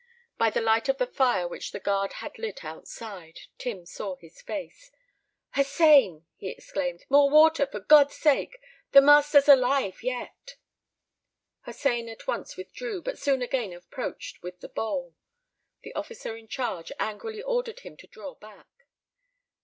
By the light of the fire which the guard had lit outside, Tim saw his face. "Hossein," he exclaimed, "more water, for God's sake! The master's alive yet." Hossein at once withdrew, but soon again approached with the bowl. The officer in charge angrily ordered him to draw back.